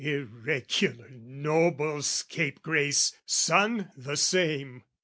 Irregular noble scapegrace son the same!